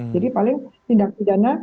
jadi paling tindak pidana